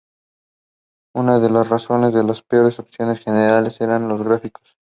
Una de las razones de las peores opiniones generales eran los gráficos.